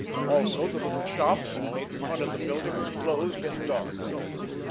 Also the little shop that made the front of the building was closed and dark.